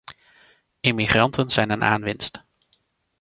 Immigranten zijn een aanwinst.